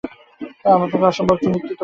আপনাকে অসম্ভব চিন্তিত মনে হচ্ছে।